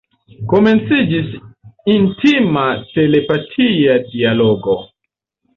Komenciĝis intima telepatia dialogo.